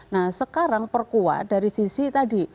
nah sekarang perkuat dari sisi tadi